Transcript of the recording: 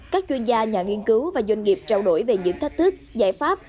các chuyên gia nhà nghiên cứu và doanh nghiệp trao đổi về những thách thức giải pháp